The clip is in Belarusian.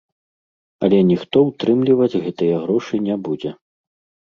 Але ніхто ўтрымліваць гэтыя грошы не будзе.